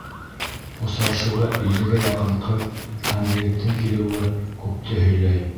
Осрашыуға иллегә яҡын ҡыҙ һәм егеттең килеүе күпте һөйләй.